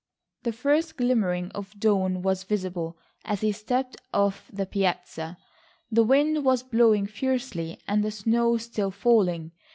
The first glimmering of dawn was visible as he stepped off the piazza; the wind was blowing fiercely and the snow still falling.